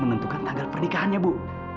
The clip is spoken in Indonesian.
menentukan tanggal pernikahannya bu